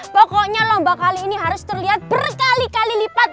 pokoknya lomba kali ini harus terlihat berkali kali lipat